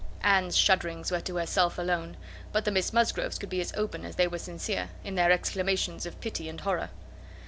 Anne's shudderings were to herself alone; but the Miss Musgroves could be as open as they were sincere, in their exclamations of pity and horror.